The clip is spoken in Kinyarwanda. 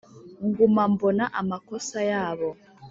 Nguma mbona amakosa yabo